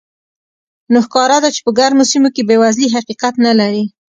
نو ښکاره ده چې په ګرمو سیمو کې بېوزلي حقیقت نه لري.